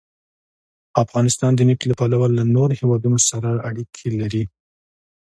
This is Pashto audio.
افغانستان د نفت له پلوه له نورو هېوادونو سره اړیکې لري.